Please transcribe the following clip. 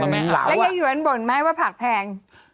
ทหารคือเหลาอะแล้วก็เยือนบ่นไหมว่าผักแพง